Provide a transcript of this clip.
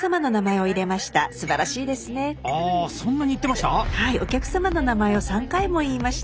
そんなに言ってました？